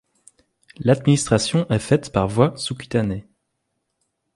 L'administration est faite par voie sous-cutanée.